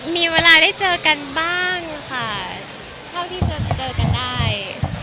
มีเวลาได้เจอกันบ้างค่ะเท่าที่จะเจอกันได้